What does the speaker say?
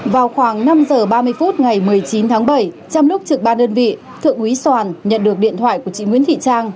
vào khoảng năm giờ ba mươi phút ngày một mươi chín tháng bảy trong lúc trực ba đơn vị thượng úy soàn nhận được điện thoại của chị nguyễn thị trang